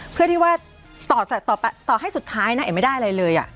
เพื่อที่ว่าต่อให้สุดท้ายนะเอกไม่ได้อะไรเลย